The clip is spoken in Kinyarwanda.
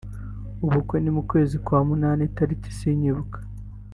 Ubukwe ni mu kwezi kwa munani itariki sinyibuka